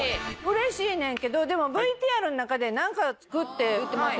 嬉しいねんけどでもＶＴＲの中でなんか付くって言ってましたよね